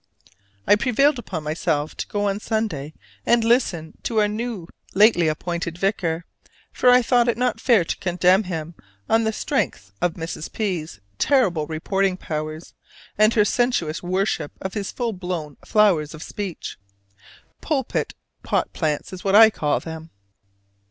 I prevailed upon myself to go on Sunday and listen to our new lately appointed vicar: for I thought it not fair to condemn him on the strength of Mrs. P 's terrible reporting powers and her sensuous worship of his full blown flowers of speech "pulpit pot plants" is what I call them.